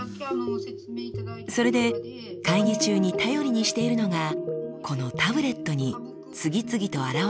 それで会議中に頼りにしているのがこのタブレットに次々とあらわれる文字です。